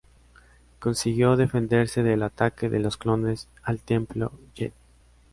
Consiguió defenderse del ataque de los clones al Templo Jedi.